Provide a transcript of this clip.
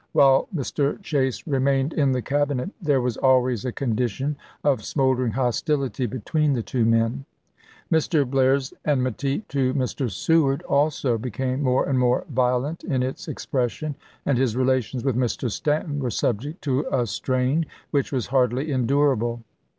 While Mr. Chase remained in the Cabinet there was always a condition of smolder ing hostility between the two men. Mr. Blair's enmity to Mr. Seward also became more and more violent in its expression, and his relations with Mr. Stanton were subject to a strain which was hardly endurable.